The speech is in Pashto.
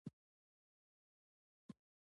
کندز سیند د افغانستان د شنو سیمو ښکلا ده.